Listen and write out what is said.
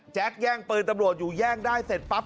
แย่งปืนตำรวจอยู่แย่งได้เสร็จปั๊บ